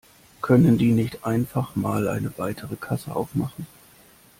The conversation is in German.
Können die nicht einfach mal eine weitere Kasse aufmachen?